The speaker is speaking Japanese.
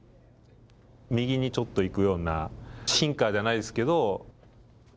右にちょっと行くようなシンカーじゃないですけど。